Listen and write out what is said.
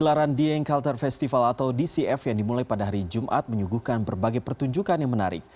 gelaran dieng culture festival atau dcf yang dimulai pada hari jumat menyuguhkan berbagai pertunjukan yang menarik